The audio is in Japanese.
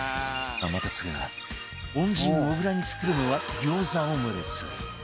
天達が恩人小倉に作るのは餃子オムレツ